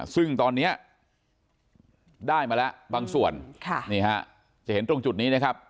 ซึ่งตอนนี้ได้มาแล้วบางส่วนนี่ฮะจะเห็นตรงจุดนี้นะครับ